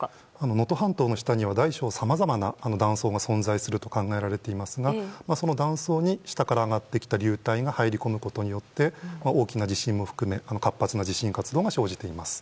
能登半島の下には大小さまざまな断層が存在すると考えられていますがその断層に下から上がってきた流体が入り込むことによって大きな地震を含め活発な地震活動が生じています。